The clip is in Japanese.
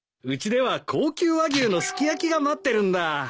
うちでは高級和牛のすき焼きが待ってるんだ。